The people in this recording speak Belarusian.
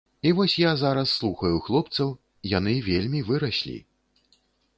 І вось я зараз слухаю хлопцаў, яны вельмі выраслі.